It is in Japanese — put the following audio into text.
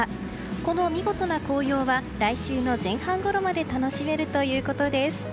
この見事な紅葉は来週の前半ごろまで楽しめるということです。